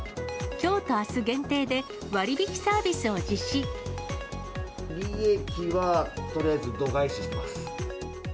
きょうとあす限定で、割引サ利益は、とりあえず度外視してます。